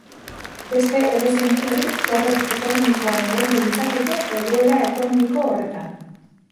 Beste edozein herri porrot ekonomikoan egongo litzateke egoera ekonomiko horretan.